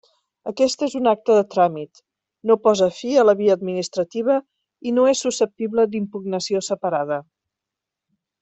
Aquest és un acte de tràmit, no posa fi a la via administrativa i no és susceptible d'impugnació separada.